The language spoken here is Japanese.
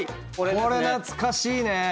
これ懐かしいねぇ！